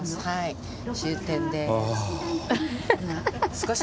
はい終点です。